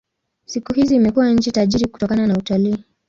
Siku hizi imekuwa nchi tajiri kutokana na utalii.